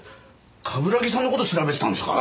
冠城さんの事を調べてたんですか？